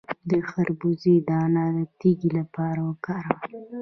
د خربوزې دانه د تیږې لپاره وکاروئ